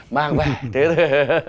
mang về thế thôi